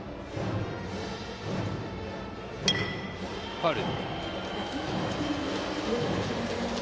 ファウル。